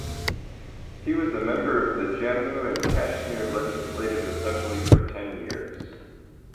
He was a member of the Jammu and Kashmir Legislative Assembly for ten years.